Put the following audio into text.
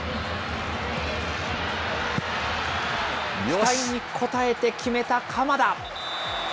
期待に応えて決めた鎌田。